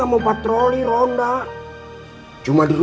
apakah itu yang rupanya pak ustadz rw